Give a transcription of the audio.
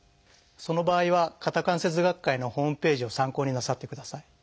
その場合は肩関節学会のホームページを参考になさってください。